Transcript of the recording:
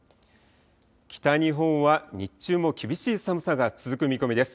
北日本は日中も厳しい寒さが続く見込みです。